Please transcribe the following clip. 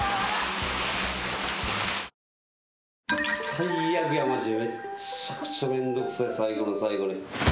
最悪やマジでめちゃくちゃ面倒くさい最後の最後に。